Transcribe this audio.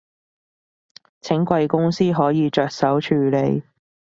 請貴公司可以着手處理